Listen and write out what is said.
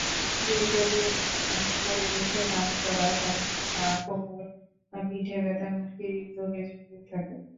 দীর্ঘদিন এমন পরিবেশে কাজ করার কারণে পা-কোমর-পিঠের ব্যথা এমনকি হূদরোগের ঝুঁকিও থাকে।